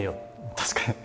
確かに。